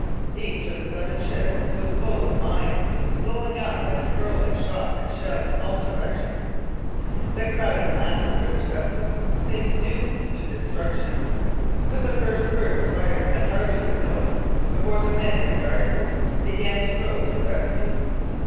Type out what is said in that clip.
Each of the seven ships was full of mines, blowing up and hurling shot and shell in all directions. The crowded mass of British vessels seemed doomed to destruction. But the first spurt of fire had hardly been noticed before the men in the guard boats began to row to the rescue.